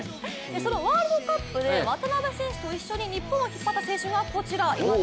そのワールドカップで渡邊選手と一緒に日本を引っ張った選手がこちら。